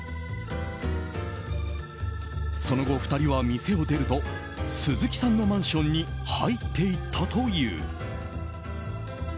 その後、２人は店を出ると鈴木さんのマンションに入って行ったという。